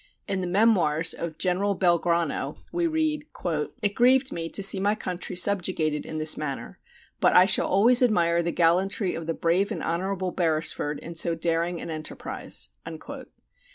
In the Memoirs of General Belgrano we read: "It grieved me to see my country subjugated in this manner, but I shall always admire the gallantry of the brave and honorable Beresford in so daring an enterprise."